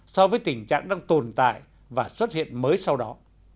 so với tình trạng đang tồn tại và xuất hiện mới sau đó